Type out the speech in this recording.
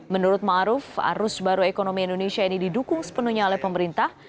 menurut ⁇ maruf ⁇ arus baru ekonomi indonesia ini didukung sepenuhnya oleh pemerintah